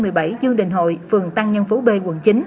đường dương đình hội phường tăng nhân phú b quận chín